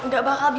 nggak bakal b